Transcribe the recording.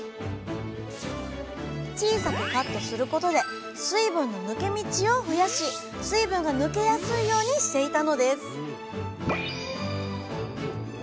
小さくカットすることで水分の抜け道を増やし水分が抜けやすいようにしていたのです